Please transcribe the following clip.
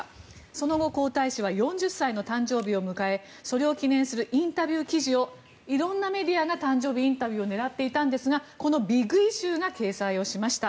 その後、皇太子は４０歳の誕生日を迎えそれを記念するインタビュー記事をいろんなメディアが誕生日インタビューを狙っていたんですが「ビッグ・イシュー」が掲載しました。